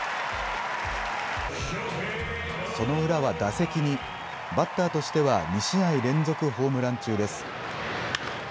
その裏は打席にバッターとしては２試合連続ホームラン中です。